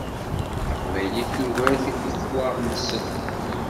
Taqbaylit tugar tifetwa-nsen.